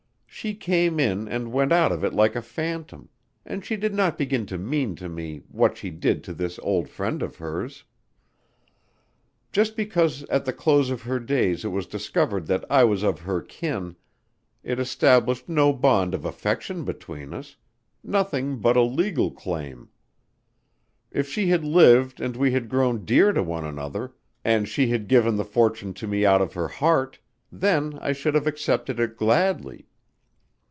She came in and went out of it like a phantom, and she did not begin to mean to me what she did to this old friend of hers. Just because at the close of her days it was discovered that I was of her kin, it established no bond of affection between us nothing but a legal claim. If she had lived and we had grown dear to one another, and she had given the fortune to me out of her heart, then I should have accepted it gladly.